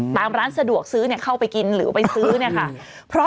ปลามร้านสะดวกซื้อเข้าไปกินหรือไปซื้อ